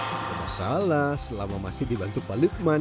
tidak ada masalah selama masih dibantu pak lukman